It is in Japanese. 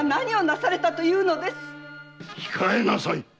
控えなさい！